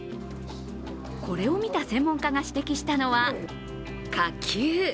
これを見た専門家が指摘したのは火球。